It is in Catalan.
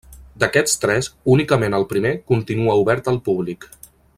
D'aquests tres, únicament el primer continua obert al públic.